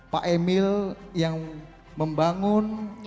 pak emel yang membangun